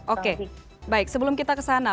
oke baik sebelum kita kesana